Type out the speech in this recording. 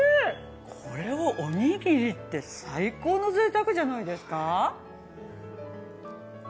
これをおにぎりって最高の贅沢じゃないですか？